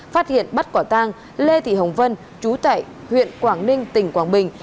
phát hiện bắt quả tang lê thị hồng vân chú tại huyện quảng ninh tỉnh quảng bình